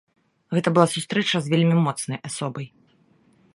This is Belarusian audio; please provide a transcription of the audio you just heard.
Гэта была сустрэча з вельмі моцнай асобай.